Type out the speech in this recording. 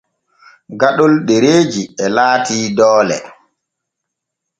Gaɗol ɗereeji e laati doole.